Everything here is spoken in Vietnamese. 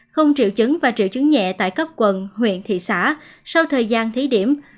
không triệu chứng và triệu chứng nhẹ tại các quận huyện thị xã sau thời gian thí điểm